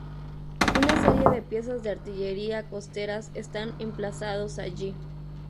Una serie de piezas de artillería costeras están emplazados allí.